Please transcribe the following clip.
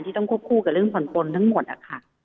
ต้องควบคู่กับเรื่องผ่อนปนทั้งหมดนะคะ